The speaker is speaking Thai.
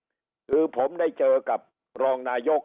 คือผมได้เจอกับรองนายก